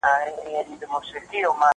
ما پرون د سبا لپاره د سوالونو جواب ورکړ..